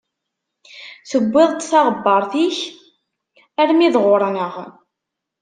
Tewwiḍ-d taɣebbaṛt-ik armi d ɣur-neɣ.